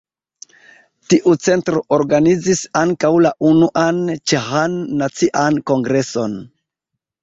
Tiu centro organizis ankaŭ la unuan ĉeĥan nacian kongreson.